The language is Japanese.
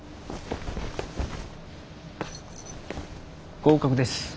合格です。